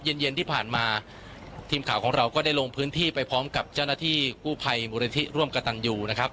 เย็นเย็นที่ผ่านมาทีมข่าวของเราก็ได้ลงพื้นที่ไปพร้อมกับเจ้าหน้าที่กู้ภัยมูลนิธิร่วมกระตันยูนะครับ